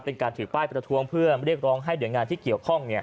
เป็นการถือป้ายประท้วงเพื่อเรียกร้องให้หน่วยงานที่เกี่ยวข้อง